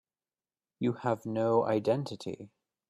You have no identity.